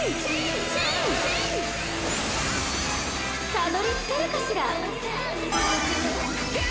たどりつけるかしら？